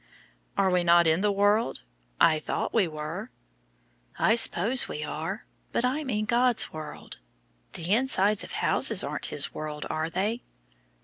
"Are we not in the world? I thought we were." "I s'pose we are, but I mean God's world. The insides of houses aren't His world, are they?